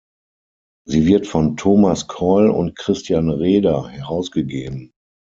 Sie wird von Thomas Keul und Christian Reder herausgegeben.